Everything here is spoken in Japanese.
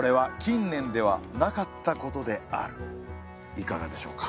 いかがでしょうか？